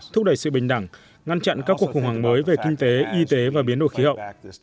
thúc đẩy sự bình đẳng ngăn chặn các cuộc khủng hoảng mới về kinh tế y tế và biến đổi khí hậu